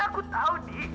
ya men aku tahu di